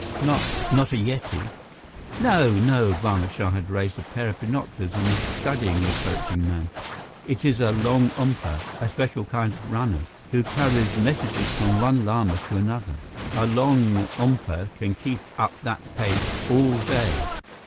"Not not a Yeti?" "No, no." Barma Shah had raised a pair of binoculars and was studying the approaching man. "It is a longompa, a special kind of runner, who carries messages from one Lama to another. A longompa can keep up that pace all day."